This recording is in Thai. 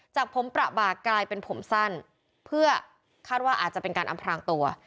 จากผมประบากกลายเป็นผมสั้นเพื่อคาดว่าอาจจะเป็นการอำพลางตัว